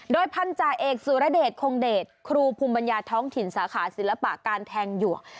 โดยพันธาเอกสุรเดชคงเดชครูภูมิปัญญาท้องถิ่นสาขาศิลปะการแทงหยวก